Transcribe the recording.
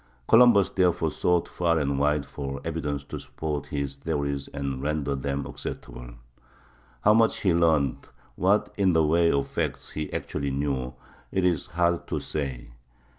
Columbus therefore sought far and wide for evidence to support his theories and render them acceptable. How much he learned—what, in the way of facts, he actually knew—it is hard to say.